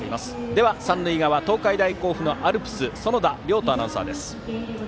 では三塁側東海大甲府のアルプス園田遼斗アナウンサーです。